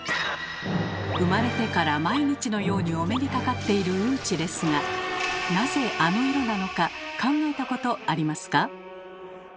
生まれてから毎日のようにお目にかかっているうんちですがなぜあの色なのか考えたことありますか？